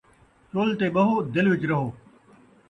چُلھ تے ٻہو، دل وچ رہو